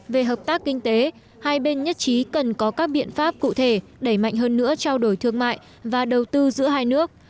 về hợp tác kinh tế hai bên nhất trí cần có các biện pháp cụ thể đẩy mạnh hơn nữa trao đổi thương mại và đầu tư giữa hai nước